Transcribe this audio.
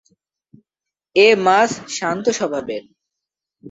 এ মাছ শান্ত স্বভাবের।